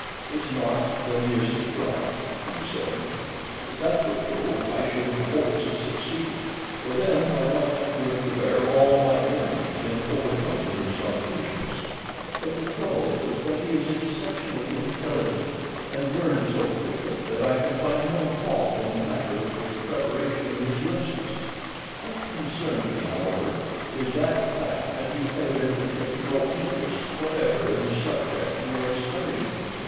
"It's not that he isn't bright," he was saying; "if that were true I should have hopes of succeeding, for then I might bring to bear all my energies in overcoming his obtuseness; but the trouble is that he is exceptionally intelligent, and learns so quickly that I can find no fault in the matter of the preparation of his lessons. What concerns me, however, is the fact that he evidently takes no interest whatever in the subjects we are studying.